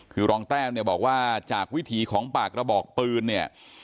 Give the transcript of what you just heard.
คือรองแต้มเนี่ยบอกว่าจากวิถีของปากกระบอกปืนเนี่ย